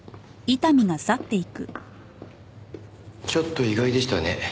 ちょっと意外でしたね。